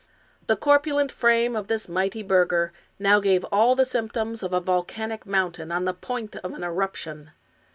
The corpulent frame of this mighty burgher now gave all the symptoms of a volcanic mountain on the point of an erup tion.